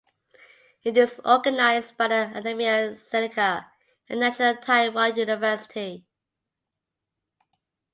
It is organised by the Academia Sinica and National Taiwan University.